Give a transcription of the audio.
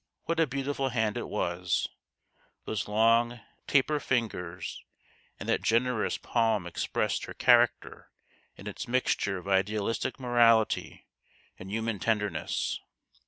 What a beautiful hand it was ! Those long taper fingers and that generous palm expressed her character in its mixture of idealistic morality and human tenderness.